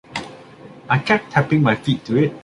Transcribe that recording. I kept tapping my feet to it.